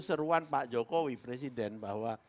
seruan pak jokowi presiden bahwa